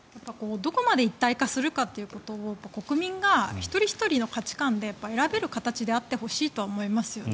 どこまで一体化するかというところを国民が一人ひとりの価値観で選べる形であってほしいと思いますよね。